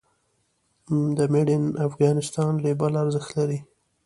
د "Made in Afghanistan" لیبل ارزښت لري؟